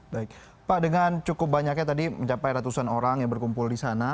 baik pak dengan cukup banyaknya tadi mencapai ratusan orang yang berkumpul di sana